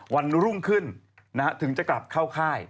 วันรุ่งขึ้นถึงจะกลับเข้าค่าย